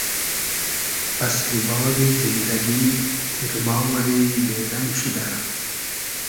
فئسلی باری زیندئگی تیرما وئری بې رئنگ شودۂ